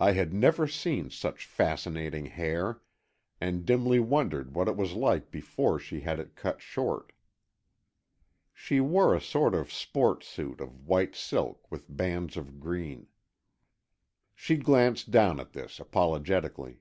I had never seen such fascinating hair, and dimly wondered what it was like before she had it cut short. She wore a sort of sports suit of white silk with bands of green. She glanced down at this apologetically.